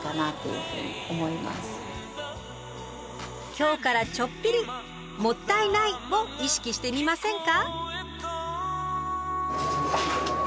今日からちょっぴり「もったいない！」を意識してみませんか？